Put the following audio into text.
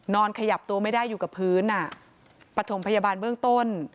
ขยับตัวไม่ได้อยู่กับพื้นปฐมพยาบาลเบื้องต้น